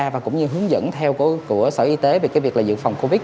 và cũng như hướng dẫn theo của sở y tế về việc dự phòng covid